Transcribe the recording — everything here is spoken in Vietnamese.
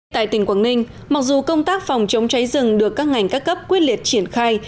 tại tỉnh quảng ninh mặc dù công tác phòng chống cháy rừng được các ngành các cấp quyết liệt triển khai